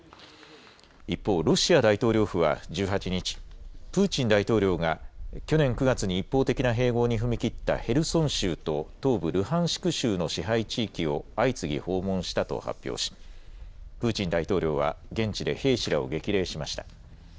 一方、ロシア大統領府は１８日、プーチン大統領が去年９月に一方的な併合に踏み切ったヘルソン州と東部ルハンシク州の支配地域を相次ぎ訪問したと発表しプーチン大統領は現地で兵士らを激励しました。